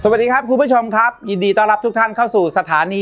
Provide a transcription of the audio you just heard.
สวัสดีครับคุณผู้ชมครับยินดีต้อนรับทุกท่านเข้าสู่สถานี